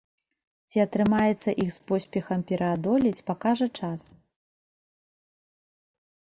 Ці атрымаецца іх з поспехам пераадолець, пакажа час.